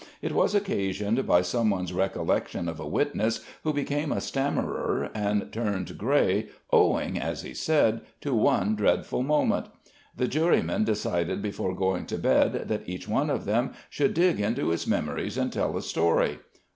It was occasioned by someone's recollection of a witness who became a stammerer and turned grey, owing, as he said, to one dreadful moment. The jurymen decided before going to bed that each one of them should dig into his memories and tell a story.